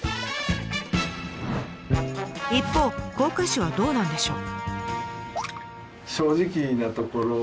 一方甲賀市はどうなんでしょう？